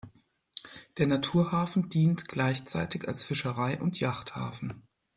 Der Naturhafen dient gleichzeitig als Fischerei- und Yachthafen.